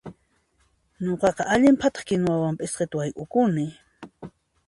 Nuqaqa allin phataq kinuwawan p'isqita wayk'ukuni.